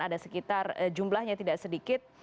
ada sekitar jumlahnya tidak sedikit